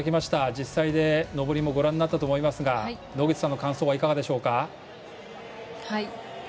実際、登りもご覧になったと思いますが野口さんの感想はいかがでしょうか？